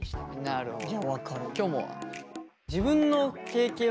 なるほど。